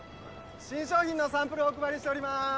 新商品のサンプルお配りしております。